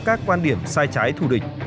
các quan điểm sai trái thù địch